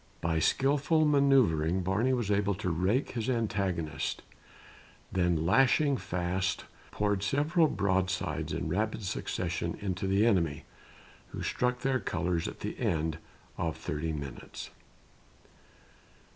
By skilful manoeuvring, Barney was able to rake his antagonist; then, lashing fast, poured several broadsides in rapid succession into the enemy, who struck their colors at the end of thirty minutes.